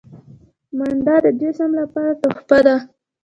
منډه د جسم لپاره تحفه ده